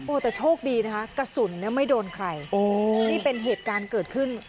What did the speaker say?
แต่โชคดีนะคะกระสุนเนี่ยไม่โดนใครนี่เป็นเหตุการณ์เกิดขึ้น